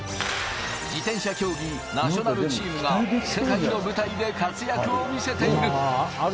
自転車競技ナショナルチームが世界の舞台で活躍を見せている。